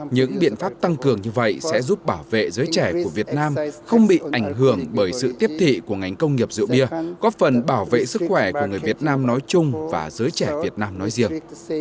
những biện pháp tăng cường như vậy sẽ giúp bảo vệ giới trẻ của việt nam không bị ảnh hưởng bởi sự tiếp thị của ngành công nghiệp rượu bia góp phần bảo vệ sức khỏe của người việt nam nói chung và giới trẻ việt nam nói riêng